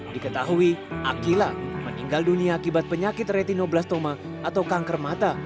diketahui akila meninggal dunia akibat penyakit retinoblastoma atau kanker mata